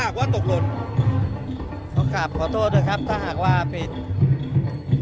ขอโทษแขกทุกท่านถ้าหากว่าตกล๔๓